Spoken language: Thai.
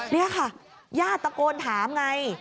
นี่ค่ะญาติตะโกนถามไง